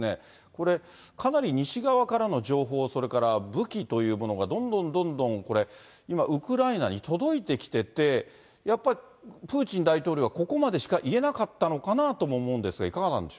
これ、かなり西側からの情報、それから武器というものがどんどんどんどん、これ、今、ウクライナに届いてきてて、やっぱり、プーチン大統領はここまでしか言えなかったのかなとも思うんです